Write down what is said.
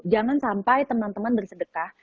jangan sampai teman teman bersedekah